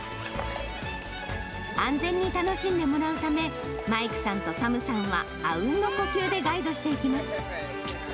安全に楽しんでもらうため、マイクさんとサムさんは、あうんの呼吸でガイドしていきます。